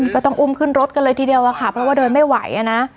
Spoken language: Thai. ก็ต้องอุ้มขึ้นรถกันเลยทีเดียวอะค่ะเพราะว่าเดินไม่ไหวอ่ะนะ